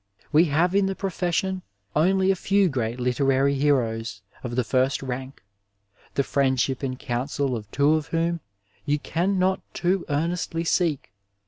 We have in the profession only a few great literary heroes of the first rank, the friendship and counsel of two of whom you can not too earnestly seek.